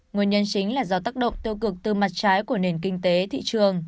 nguyên nhân chính là do tác động tiêu cực từ mặt trái của nền kinh tế thị trường